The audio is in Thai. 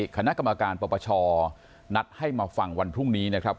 คณะกรรมการปปชนัดให้มาฟังวันพรุ่งนี้นะครับ